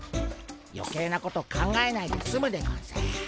余計なこと考えないですむでゴンス。